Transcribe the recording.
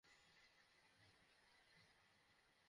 আবার তোমার বাবার সাথেও তো কথা বলতে হবে।